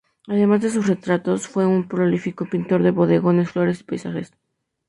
Además de sus retratos, fue un prolífico pintor de bodegones, flores y paisajes.